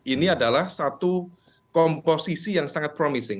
ini adalah satu komposisi yang sangat promising